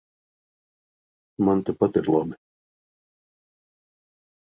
Man tepat ir labi.